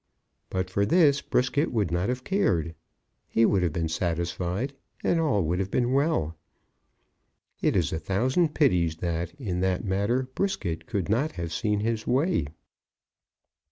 But for this Brisket would not have cared. He would have been satisfied, and all would have been well. It is a thousand pities that, in that matter, Brisket could not have seen his way.